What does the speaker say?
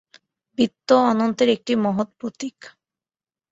বৃত্ত অনন্তের একটি মহৎ প্রতীক।